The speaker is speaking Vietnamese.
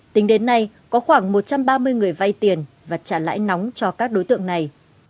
tính đến nay có khoảng một trăm ba mươi người vay tiền và trả lãi nóng cho các đối tượng này